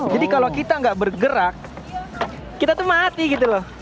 jadi kalau kita nggak bergerak kita tuh mati gitu loh